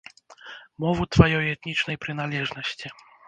Мову тваёй этнічнай прыналежнасці?